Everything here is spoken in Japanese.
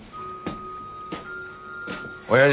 おやじ。